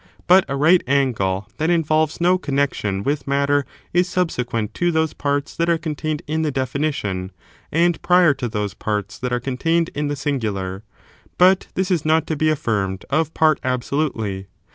But a right angle that involyes no connexion with matter is subsequent to those parts that are contained in the definition, and prior to those parts that are contained in the singular. But this is not to be affirmed of part absolutely.